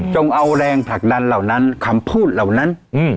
เอาแรงผลักดันเหล่านั้นคำพูดเหล่านั้น